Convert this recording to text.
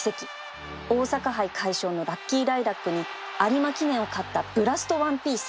大阪杯快勝のラッキーライラックに有馬記念を勝ったブラストワンピース